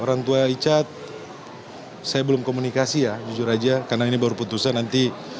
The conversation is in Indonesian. orang tua richard saya belum komunikasi ya jujur aja karena ini baru putusan nanti